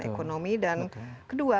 ekonomi dan kedua